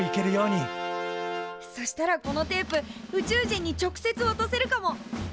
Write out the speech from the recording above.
そしたらこのテープ宇宙人に直接わたせるかも。